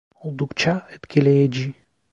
Oldukça etkileyici.